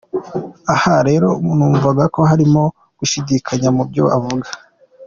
Aha rero murumva ko harimo gushindikanya mu byo avuga.